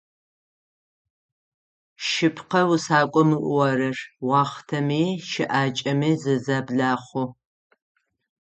Шъыпкъэ усакӏом ыӏорэр - уахътэми щыӏакӏэми зызэблахъу.